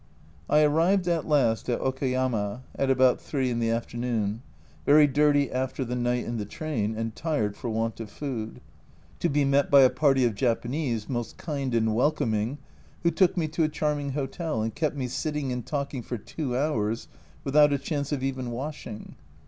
I arrived at last at Okayama at about 3 in the afternoon, very dirty after the night in the train, and tired for want of food to be met by a party of Japanese, most kind and welcoming, who took me to a charming hotel and kept me sitting and talking for two hours without a chance of even washing